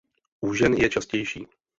U žen je častější.